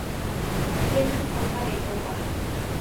Tienen forma de copa.